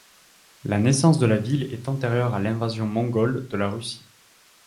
La naissance de la ville est antérieure à l'invasion mongole de la Russie.